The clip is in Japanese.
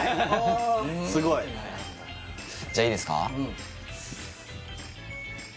すごいじゃあいいですか？